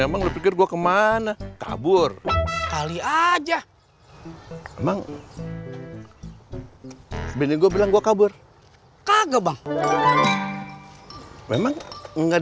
emang lebih gue kemana kabur kali aja emang bini gue bilang gue kabur kagak memang nggak